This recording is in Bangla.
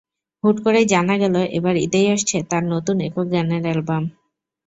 হুট করেই জানা গেল, এবার ঈদেই আসছে তাঁর নতুন একক গানের অ্যালবাম।